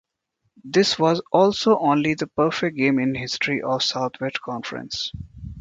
This was also the only perfect game in the history of the Southwest Conference.